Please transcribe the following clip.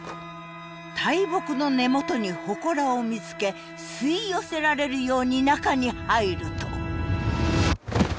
大木の根元に祠を見つけ吸い寄せられるように中に入ると。